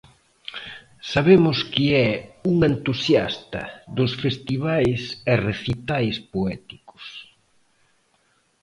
Sabemos que é unha entusiasta dos festivais e recitais poéticos.